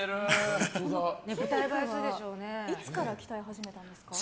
いつから鍛え始めたんですか？